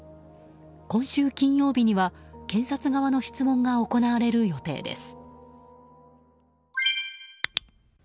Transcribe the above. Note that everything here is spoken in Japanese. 今週金曜日には検察側の質問が行われる予定です。